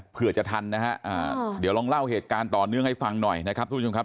เพื่อจะทันนะฮะเดี๋ยวลองเล่าเหตุการณ์ต่อเนื่องให้ฟังหน่อยนะครับทุกผู้ชมครับ